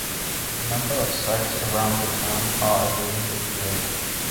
A number of sites around the town are available to rent.